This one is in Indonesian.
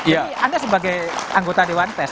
jadi anda sebagai anggota dewan pes